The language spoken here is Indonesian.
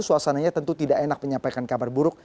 suasananya tentu tidak enak menyampaikan kabar buruk